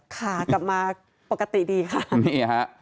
ค่ะกลับมาปกติดีค่ะ